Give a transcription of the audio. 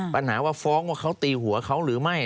ปัญหาว่าฟ้องว่าเขาตีหัวเขาหรือไม่